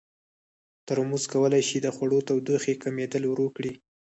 ترموز کولی شي د خوړو تودوخې کمېدل ورو کړي.